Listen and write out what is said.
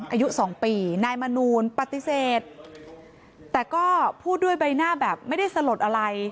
อายุสองปีนายมนูลปฏิเสธแต่ก็พูดด้วยใบหน้าแบบไม่ได้สลดอะไร